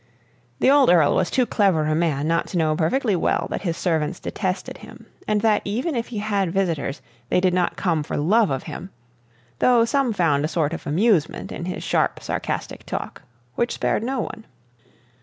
The old Earl was too clever a man not to know perfectly well that his servants detested him, and that even if he had visitors, they did not come for love of him though some found a sort of amusement in his sharp, sarcastic talk, which spared no one.